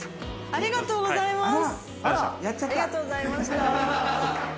ありがとうございます。